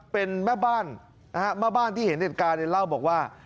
เป็นแม่บ้านนะฮะแม่บ้านที่เห็นเหตุการณ์เนี่ยเล่าบอกว่า